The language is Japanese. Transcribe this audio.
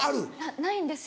ないんですよ。